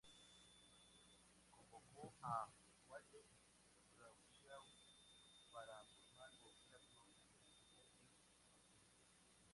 Convocó a Waldeck-Rousseau para formar gobierno y resolver el asunto.